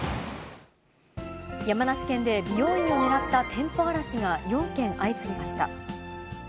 山梨県で美容院を狙った店舗荒らしが４件相次ぎました。